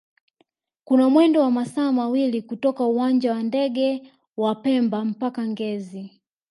kuna mwendo wa masaa mawili kutoka uwanja wa ndege wa pemba mpaka ngezi